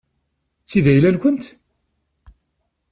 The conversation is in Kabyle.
D ta i d ayla-nkent?